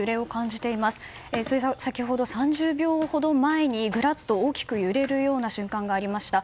つい先ほど３０秒ほど前にぐらっと大きく揺れるような瞬間がありました。